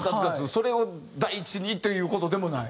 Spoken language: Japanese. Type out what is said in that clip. それを第一にという事でもない？